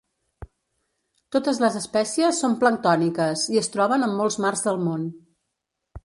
Totes les espècies són planctòniques i es troben en molts mars del món.